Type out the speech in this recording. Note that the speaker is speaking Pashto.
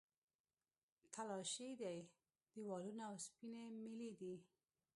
تلاشۍ دي، دیوالونه او اوسپنې میلې دي.